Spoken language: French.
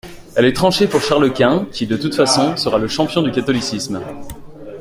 Elle est tranchée pour Charles-Quint, qui, de toutes façons, sera le champion du catholicisme.